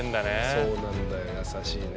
そうなんだよ優しいね。